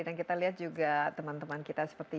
dan kita lihat juga teman teman kita seperti